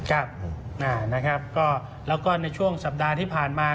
ครับนะครับก็แล้วก็ในช่วงสัปดาห์ที่ผ่านมา